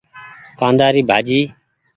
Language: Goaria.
ڪآندآ ري ڀآڃي۔